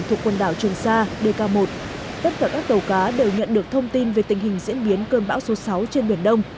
tất cả các tàu cá đều nhận được thông tin về tình hình diễn biến cơn bão số sáu trên biển đông